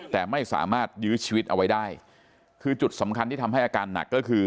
แต่ไม่สามารถยื้อชีวิตเอาไว้ได้คือจุดสำคัญที่ทำให้อาการหนักก็คือ